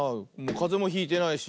かぜもひいてないし。